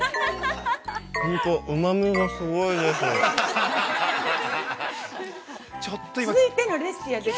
本当、うまみがすごいです。